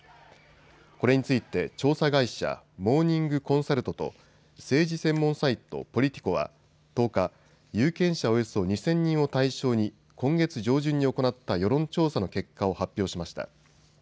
これについて調査会社、モーニング・コンサルトと政治専門サイト、ポリティコは１０日、有権者およそ２０００人を対象に今月上旬に行った世論調査の結果を発表しました。